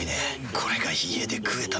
これが家で食えたなら。